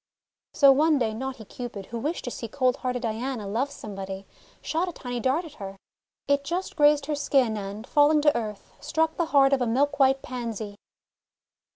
So one day naughty Cupid, who wished to see cold hearted Diana love somebody, shot a tiny dart at her. It just grazed her skin, and falling to earth, struck the heart of a milk white Pansy.